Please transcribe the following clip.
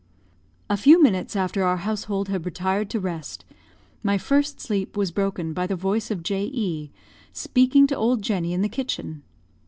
A few minutes after our household had retired to rest, my first sleep was broken by the voice of J. E , speaking to old Jenny in the kitchen.